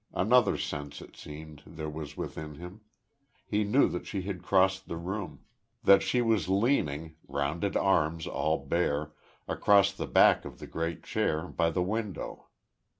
Another sense, it seemed, there was within him.... He knew that she had crossed the room; that she was leaning, rounded arms all bare, across the back of the great chair, by the window.